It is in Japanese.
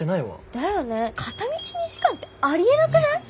だよね片道２時間ってありえなくない？